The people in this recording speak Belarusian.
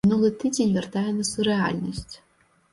Мінулы тыдзень вяртае нас у рэальнасць.